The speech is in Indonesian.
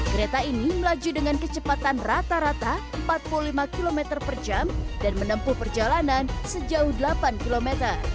kereta ini melaju dengan kecepatan rata rata empat puluh lima km per jam dan menempuh perjalanan sejauh delapan km